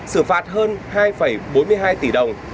sử phạt hơn hai bốn mươi hai tỷ đồng